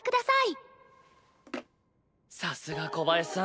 カチッさすが小林さん。